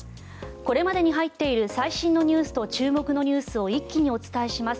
これまでに入っている最新ニュースと注目ニュースを一気にお伝えします。